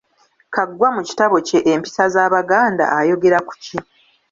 "Kaggwa, mu kitabo kye Empisa z’Abaganda ayogera ku ki?"